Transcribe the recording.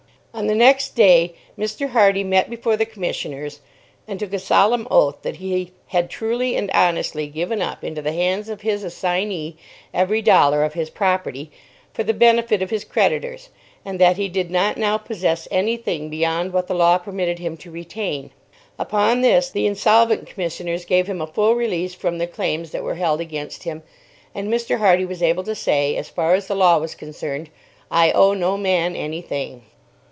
On the next day, Mr. Hardy met before the commissioners, and took a solemn oath that he had truly and honestly given up into the hands of his assignee every dollar of his property, for the benefit of his creditors, and that he did not now possess any thing beyond what the law permitted him to retain. Upon this, the insolvent commissioners gave him a full release from the claims that were held against him, and Mr. Hardy was able to say, as far as the law was concerned, "I owe no man any thing."